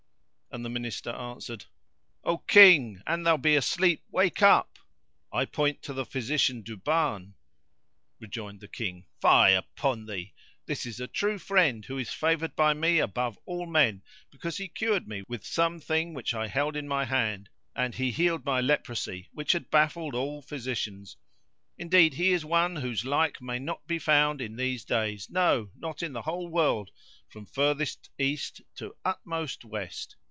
and the Minister answered, "O King, an thou be asleep, wake up! I point to the physician Duban." Rejoined the King, "Fie upon thee! This is a true friend who is favoured by me above all men, because he cured me with something which I held in my hand, and he healed my leprosy which had baffled all physicians; indeed he is one whose like may not be found in these days—no, not in the whole world from furthest east to utmost west!